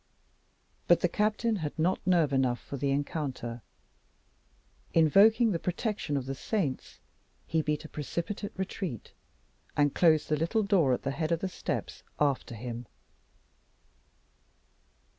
But the captain had not nerve enough for the encounter. Invoking the protection of the saints, he beat a precipitate retreat, and closed the little door at the head of the steps after him.